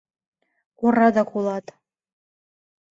Орадак улат.